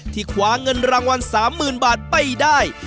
ที่ขวาเงินรางวัล๓๐๐๐๐บาทไปได้